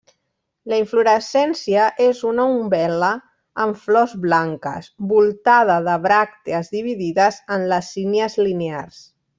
La inflorescència és una umbel·la amb flors blanques, voltada de bràctees dividides en lacínies linears.